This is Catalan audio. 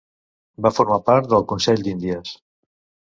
Va formar part del Consell d'Índies.